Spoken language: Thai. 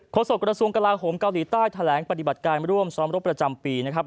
โศกระทรวงกลาโหมเกาหลีใต้แถลงปฏิบัติการร่วมซ้อมรบประจำปีนะครับ